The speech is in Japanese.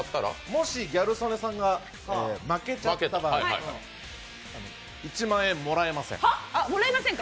もし、ギャル曽根さんが負けちゃった場合、１万円もらえません。